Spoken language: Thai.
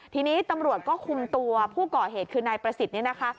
ทีนี้ตำรวจก็คุมตัวผู้ก่อเหตุคือนายประสิทธิ์นี่นะคะ